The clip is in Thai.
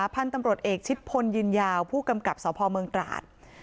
พันธุ์ตำรวจเอกชิดพลยืนยาวผู้กำกับสพเมืองตราด